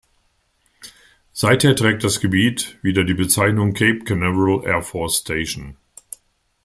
Seither trägt das Gebiet wieder die Bezeichnung Cape Canaveral Air Force Station.